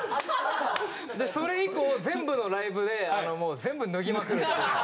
それ以降全部のライブでもう全部脱ぎまくるっていう。